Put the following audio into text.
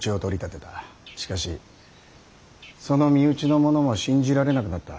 しかしその身内の者も信じられなくなった。